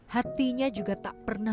hatinya juga tak pernah pupus berhati hati